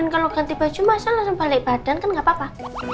kalau ganti baju masa langsung balik badan kan nggak apa apa